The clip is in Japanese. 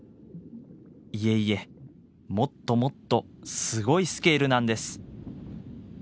いえいえもっともっとすごいスケールなんです！